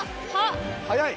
速い。